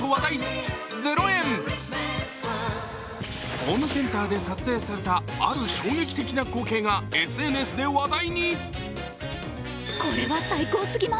ホームセンターで撮影されたある衝撃的な光景がＳＮＳで話題に。